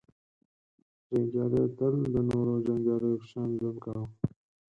• جنګیالیو تل د نورو جنګیالیو په شان ژوند کاوه.